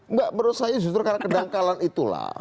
nggak menurut saya justru karena kedangkalan itulah